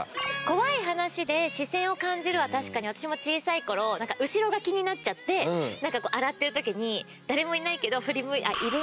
怖い話で視線を感じるは確かに私も小さい頃後ろが気になっちゃってなんかこう洗ってる時に誰もいないけど振り向い。